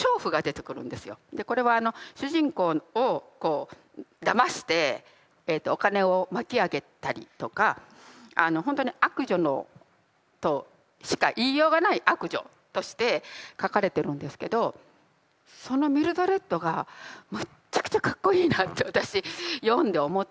これは主人公をだましてお金を巻き上げたりとかほんとに悪女としか言いようがない悪女として書かれてるんですけどそのミルドレッドがむっちゃくちゃかっこいいなって私読んで思って。